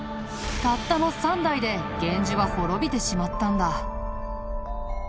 たったの３代で源氏は滅びてしまったんだ。